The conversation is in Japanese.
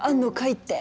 って。